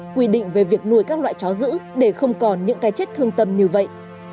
quy định về việc nuôi các loại chó giữ để không còn những cái chết thương tâm như vậy